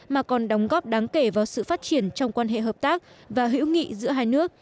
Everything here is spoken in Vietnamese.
mà còn đóng góp đáng kể vào sự phát triển trong quan hệ hợp tác và hữu nghị giữa hai nước